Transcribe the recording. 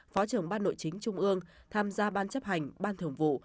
phó trưởng ban nội chính trung ương tham gia ban chấp hành ban thường vụ